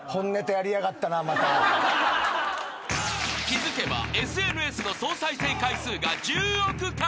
［気付けばＳＮＳの総再生回数が１０億回超え］